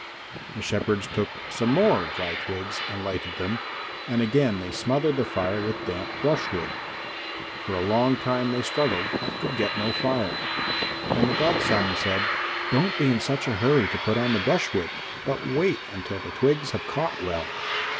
The shepherds took some more dry twigs and lighted them, and again they smothered the fire with damp brushwood. For a long time they struggled, but could get no fire. And the godson said, "Don't be in such a hurry to put on the brushwood, but wait until the twigs have caught well.